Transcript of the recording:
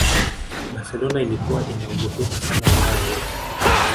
Barcelona ilikuwa inaogopeka sana ulaya yote